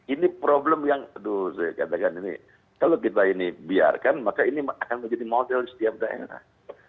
ini problem yang aduh saya katakan ini kalau kita ini biarkan maka ini akan menjadi model di setiap daerah